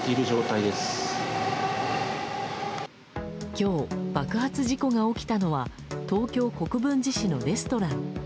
今日、爆発事故が起きたのは東京都国分寺市のレストラン。